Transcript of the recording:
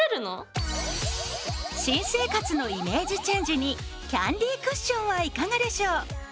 新生活のイメージチェンジにキャンディークッションはいかがでしょう？